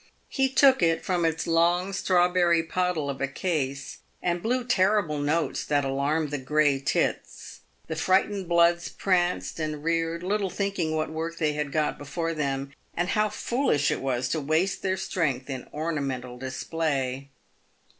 He took it from its long strawberry pottle of a case, and blew terrible notes that alarmed the grey tits. The frightened bloods pranced and reared, little thinking what work they had got before them, and how foolish it was to waste their strength in ornamental display.